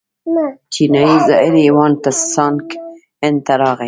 چینایي زایر هیوان تسانګ هند ته راغی.